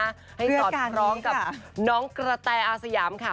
อย่างร่วมร้อนกับน้องกระแตะอาสยามค่ะ